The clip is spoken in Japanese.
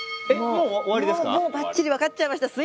もうバッチリ分かっちゃいました。